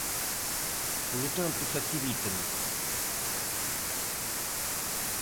Polo tanto, facilíteno.